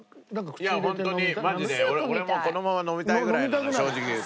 ホントにマジで俺もこのまま飲みたいぐらいなの正直言うと。